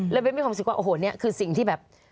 เบ้นมีความรู้สึกว่าโอ้โหนี่คือสิ่งที่แบบ